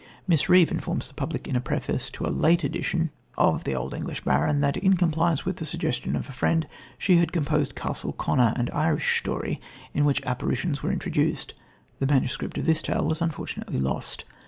Miss Reeve informs the public in a preface to a late edition of The Old English Baron that, in compliance with the suggestion of a friend, she had composed Castle Connor, an Irish Story, in which apparitions were introduced. The manuscript of this tale was unfortunately lost.